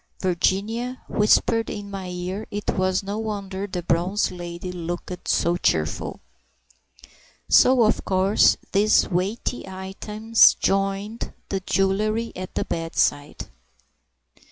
(Virginia whispered in my ear, it was no wonder the bronze lady looked so cheerful.) So of course these weighty items joined the jewellery at the bedside.